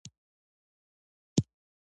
ژوند له ماسره لوبي وکړي.